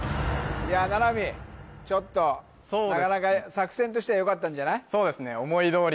七海ちょっとなかなか作戦としてはよかったんじゃない？